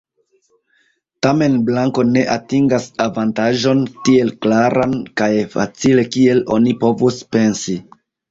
Tamen blanko ne atingas avantaĝon tiel klaran kaj facile kiel oni povus pensi.